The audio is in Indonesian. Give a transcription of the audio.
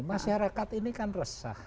masyarakat ini kan resah